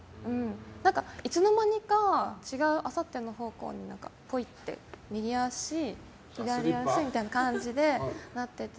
いつの間にか違う明後日の方向にぽいって、右足、左足みたいな感じでなってて。